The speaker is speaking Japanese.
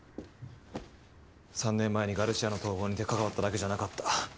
３年前にガルシアの逃亡に関わっただけじゃなかった。